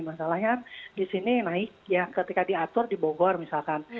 masalahnya di sini naik ya ketika diatur di bogor misalkan